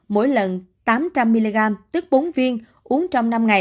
mỗi lần tám trăm linh mg tức bốn viên uống trong năm ngày